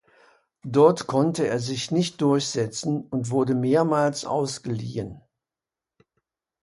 Dort konnte er sich nicht durchsetzen und wurde mehrmals ausgeliehen.